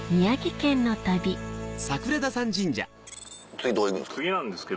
次どこ行くんですか？